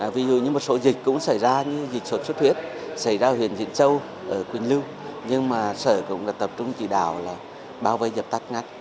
ví dụ như một số dịch cũng xảy ra như dịch sốt sốt huyết xảy ra ở huyện diện châu ở quỳnh lưu nhưng mà sở cũng tập trung chỉ đào là bao vây dập tắt ngắt